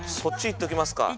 いっときますか。